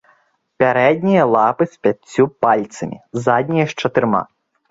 Пярэднія лапы з пяццю пальцамі, заднія з чатырма.